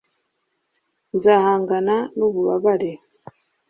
nzahangana n'ububabare